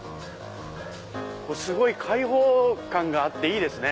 すごい開放感があっていいですね。